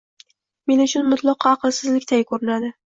men uchun mutlaqo aqlsizlikday ko‘rinadi.